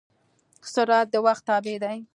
سرعت د وخت تابع دی.